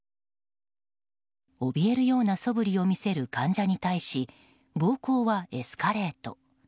おびえるようなそぶりを見せる患者に対し暴行はエスカレート。